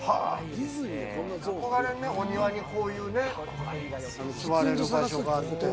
憧れるね、お庭にこういう座れる場所があるって。